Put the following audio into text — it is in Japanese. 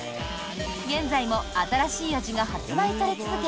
現在も新しい味が発売され続け